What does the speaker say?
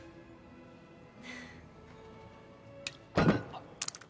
あっ。